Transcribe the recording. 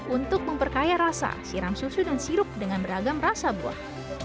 untuk memperkaya rasa siram susu dan sirup dengan beragam rasa buah